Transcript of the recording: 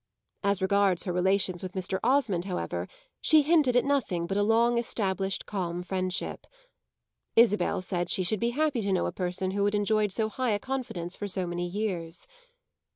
As regards her relations with Mr. Osmond, however, she hinted at nothing but a long established calm friendship. Isabel said she should be happy to know a person who had enjoyed so high a confidence for so many years.